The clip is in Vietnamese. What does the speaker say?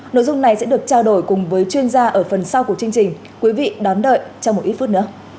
nội dung này sẽ được trao đổi cùng với chuyên gia ở phần sau của chương trình quý vị đón đợi trong một ít phút nữa